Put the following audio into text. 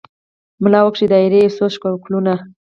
ملا وکښې دایرې یو څو شکلونه